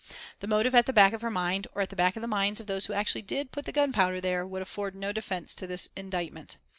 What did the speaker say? "The motive at the back of her mind, or at the back of the minds of those who actually did put the gunpowder there, would afford no defence to this indictment.